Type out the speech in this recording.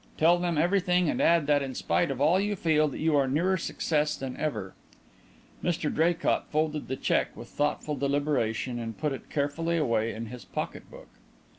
Tell them everything and add that in spite of all you feel that you are nearer success than ever." Mr Draycott folded the cheque with thoughtful deliberation and put it carefully away in his pocket book.